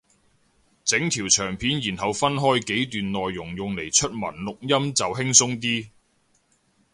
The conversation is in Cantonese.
整條長片然後分開幾段內容用嚟出文錄音就輕鬆啲